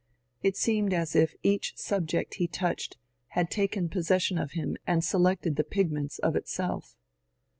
It seemed as if each subject he touched had taken pos session of him and selected the pigments of itself.